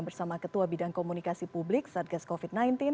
bersama ketua bidang komunikasi publik satgas covid sembilan belas